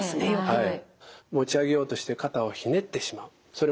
はい。